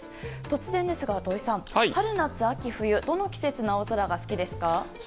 突然ですが土井さん春、夏、秋、冬どの季節の青空が好きですか？